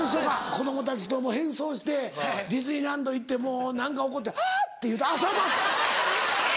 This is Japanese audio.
子供たちと変装してディズニーランド行ってもう何か起こって「ハァ！」って言うたら「あっさんま！」。